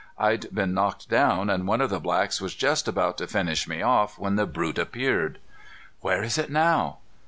I'd been knocked down and one of the blacks was just about to finish me off when the brute appeared." "Where is it now?"